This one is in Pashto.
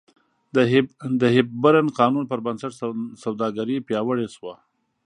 د هیپبرن قانون پربنسټ سوداګري پیاوړې شوه.